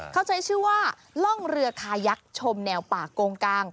เขาใช้ชื่อว่าล่องเรือคายักษ์ชมแนวป่าโกงกาง